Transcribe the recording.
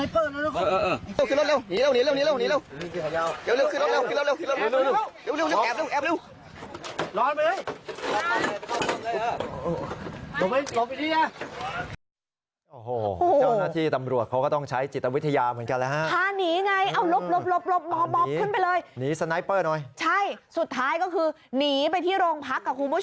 พาหนีสไนเปอร์หน่อยขึ้นรถหนีเร็ว